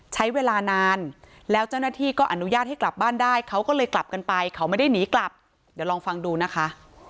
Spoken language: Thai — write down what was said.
ใช้เวลานานแล้วเจ้าหน้าที่ก็อนุญาตให้กลับบ้านได้เขาก็เลยกลับกันไปเขาไม่ได้หนีกลับเดี๋ยวลองฟังดูนะคะ